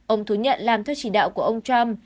ông thú nhận làm thước chỉ đạo của ông trump